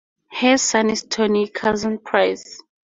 Her son is Tony Curzon Price.